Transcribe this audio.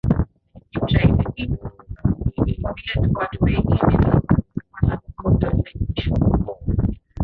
kampeni za duru la pili la uchaguzi wa nafasi ya urais nchini cote dvoire